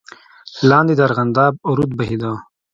لاندې د ارغنداب رود بهېده.